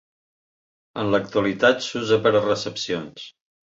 En l'actualitat s'usa per a recepcions.